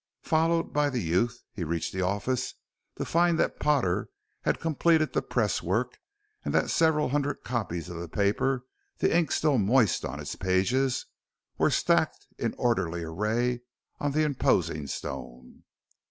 Followed by the youth he reached the office to find that Potter had completed the press work and that several hundred copies of the paper, the ink still moist on its pages, were stacked in orderly array on the imposing stone.